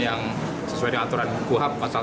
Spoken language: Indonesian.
yang sesuai dengan aturan kuhap pasal satu